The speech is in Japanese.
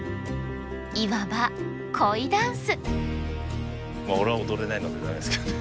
いわば「恋ダンス」！